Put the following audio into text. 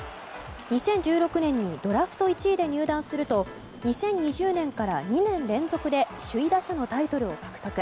２０１６年にドラフト１位で入団すると２０２０年から２年連続で首位打者のタイトルを獲得。